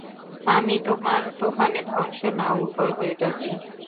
আমি তোমার তুফানে ধ্বংস না উর্বর হয়ে যাচ্ছি।